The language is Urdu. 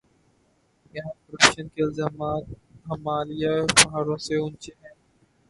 یہاں کرپشن کے الزامات ہمالیہ پہاڑوں سے اونچے ہیں۔